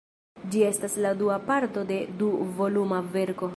Ĝi estas la dua parto de du-voluma verko.